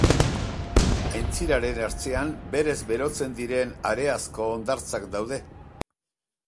Aintziraren ertzean berez berotzen diren hareazko hondartzak daude.